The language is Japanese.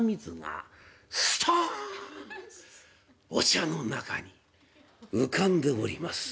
お茶の中に浮かんでおります。